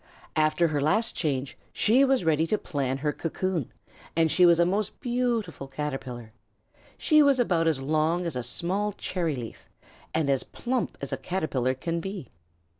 After her last change she was ready to plan her cocoon, and she was a most beautiful Caterpillar. She was about as long as a small cherry leaf, and as plump as a Caterpillar can be.